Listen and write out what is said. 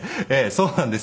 そうなんですよ。